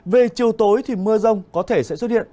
về chiều tối thì mưa rông có thể sẽ xuất hiện